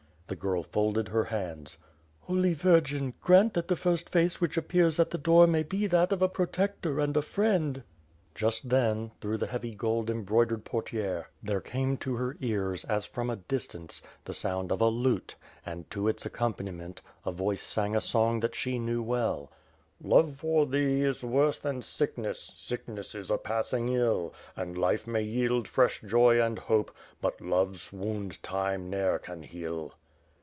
The girl folded her hands. "Holy Virgin, grant that the first face which appears at the door may be that of a protector and a friend." Just then, through the heavy gold embroidered portiere, there came to her ears, as from a distance, the sound of a lute and, to its accompaniment, a voice sang a song that she knew well: " Love for Thee is worse than sickness ; Sickness is a passing iU ; And life may yield fresh joy and hope. But Love's wound Time ne^sr can heal."